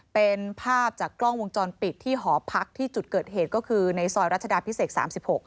เป็นภาพจากกล้องวงจรปิดที่หอพักที่จุดเกิดเหตุก็คือในซอยรัชดาพิเศษ๓๖